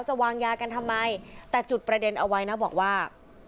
จะวางยากันทำไมแต่จุดประเด็นเอาไว้นะบอกว่า